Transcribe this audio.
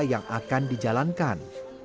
yang akan dijalankan